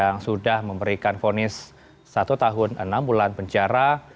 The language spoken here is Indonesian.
yang sudah memberikan vonis satu tahun enam bulan penjara